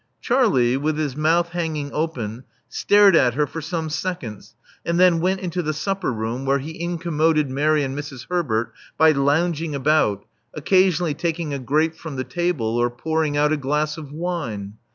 Charlie, with his mouth hanging open, stared at her for some seconds, and then went into the supper room, where he incommoded Mary and Mrs. Herbert by lounging about, occasionally taking a grape [from the table or pouring out a glass of wine.